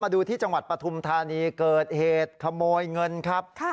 ดูที่จังหวัดปฐุมธานีเกิดเหตุขโมยเงินครับ